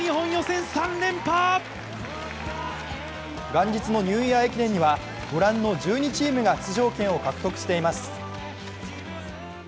元日のニューイヤー駅伝にはご覧の１２チームが出場権を獲得しています。